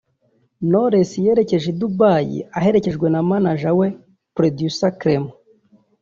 Knowless yerekeje i Dubai aherekejwe na Manager we Producer Clement